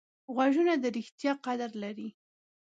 غوږونه د ریښتیا قدر لري